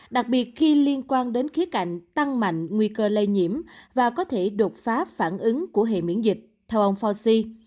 đặc biệt khi liên quan đến khía cạnh tăng mạnh nguy cơ lây nhiễm và có thể đột phá phản ứng của hệ miễn dịch theo ông fauci